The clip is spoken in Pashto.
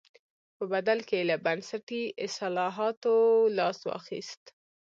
په بدل کې یې له بنسټي اصلاحاتو لاس واخیست.